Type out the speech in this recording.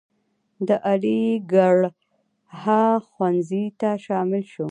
د علیګړهه ښوونځي ته شامل شو.